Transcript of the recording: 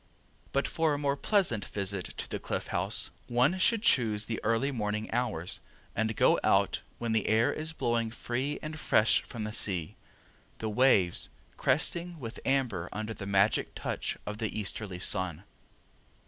But for a most pleasant visit to the Cliff House one should choose the early morning hours, and go out when the air is blowing free and fresh from the sea, the waves cresting with amber under the magic touch of the easterly sun.